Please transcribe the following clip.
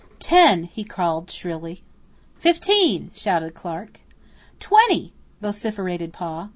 "Ten," he called shrilly. "Fifteen," shouted Clarke. "Twenty," vociferated Pa.